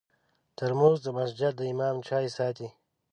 ترموز د مسجد د امام چای ساتي.